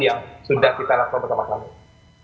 yang sudah kita rapor pertama kali